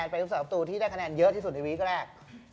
เป็นภาพรุ่งสาวประตูที่ได้คะแนนเยอะที่สุดในวีคก็ได้